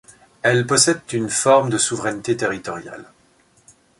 Elles possèdent une forme de souveraineté territoriale.